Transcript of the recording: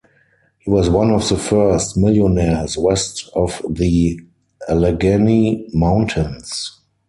He was one of the first millionaires west of the Allegheny Mountains.